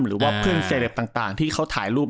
หรือว่าเพื่อนเซลปต่างที่เขาถ่ายรูป